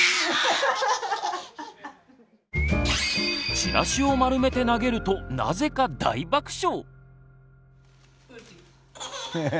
チラシを丸めて投げるとなぜか大爆笑！